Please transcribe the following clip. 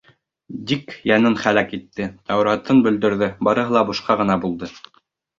Дик йәнен һәләк итте, Тәүратын бөлдөрҙө, барыһы ла бушҡа ғына булды.